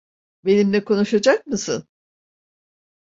Benimle konuşacak mısın?